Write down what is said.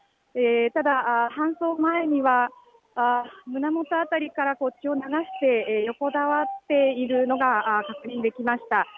ただ搬送前には胸元辺りから血を流して横たわっているのが確認できました。